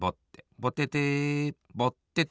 ぼててぼってて。